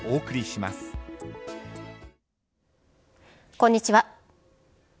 こんにちは。